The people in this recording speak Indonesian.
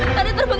mas tratar permit